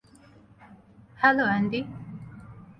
Hello, Andy.